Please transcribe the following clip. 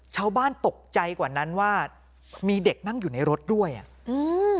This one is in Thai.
ชาวบ้านตกใจกว่านั้นว่ามีเด็กนั่งอยู่ในรถด้วยอ่ะอืม